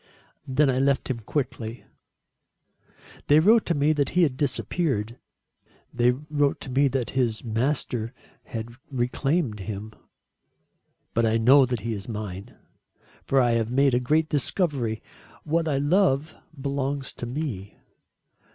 Then I left him quickly. They wrote to me that he had disappeared. They wrote to me that his master had reclaimed him. But I know that he is mine. For I have made a great discovery. What I love belongs to me.